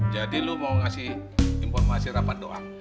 jadi lu mau ngasih informasi rapat doang